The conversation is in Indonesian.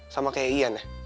sama kayak ian ya